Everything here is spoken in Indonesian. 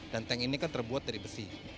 dan tank ini kan terbuat dari besi